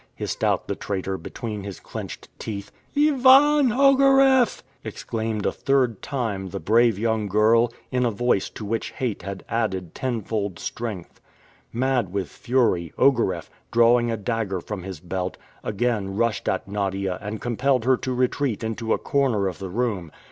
hissed out the traitor between his clenched teeth. "Ivan Ogareff!" exclaimed a third time the brave young girl, in a voice to which hate had added ten fold strength. Mad with fury, Ogareff, drawing a dagger from his belt, again rushed at Nadia and compelled her to retreat into a corner of the room.